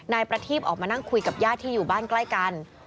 นายประทีบออกมานั่งคุยกับญาติที่อยู่บ้านใกล้กัน